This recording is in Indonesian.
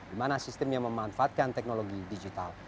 dimana sistemnya memanfaatkan teknologi digital